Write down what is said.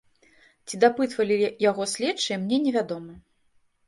Ці дапытвалі яго следчыя, мне не вядома.